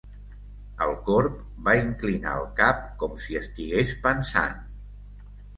El corb va inclinar el cap com si estigués pensant.